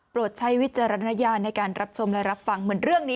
ใช้วิจารณญาณในการรับชมและรับฟังเหมือนเรื่องนี้